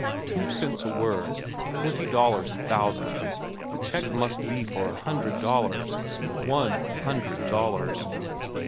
Two cents a word—twenty dollars a thousand; the check must be a hundred dollars. One hundred dollars!